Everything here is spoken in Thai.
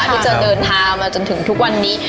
ที่จะเดินทางมาจนถึงทุกวันนี้